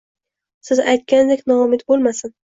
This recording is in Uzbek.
Siz aytgandek, noumid bo`lmasin…